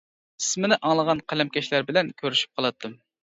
ئىسمىنى ئاڭلىغان قەلەمكەشلەر بىلەن كۆرۈشۈپ قالاتتىم.